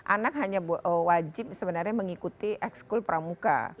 anak hanya wajib sebenarnya mengikuti ekskul pramuka